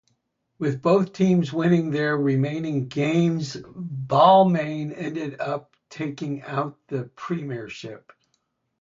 With both teams winning their remaining games, Balmain ended up taking out the premiership.